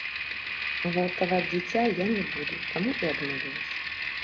Гвалтаваць дзіця я не буду, таму і адмовілася.